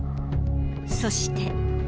そして。